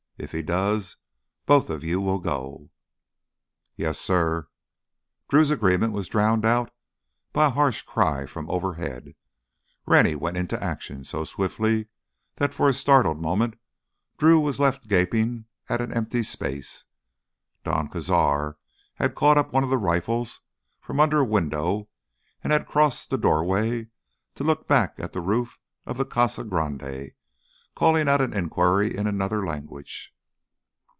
If he does, both of you'll go." "Yes, suh." Drew's agreement was drowned out by a harsh cry from overhead. Rennie went into action, so swiftly that for a startled moment Drew was left gaping at empty space. Don Cazar had caught up one of the rifles from under a window and had crossed the doorway to look back at the roof of the Casa Grande, calling out an inquiry in another language.